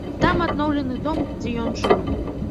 Там адноўлены дом, дзе ён жыў.